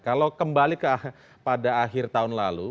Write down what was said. kalau kembali pada akhir tahun lalu